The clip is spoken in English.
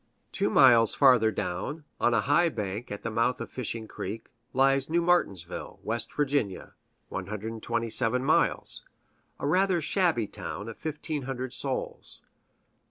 Two miles farther down, on a high bank at the mouth of Fishing Creek, lies New Martinsville, West Va. (127 miles), a rather shabby town of fifteen hundred souls.